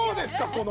この。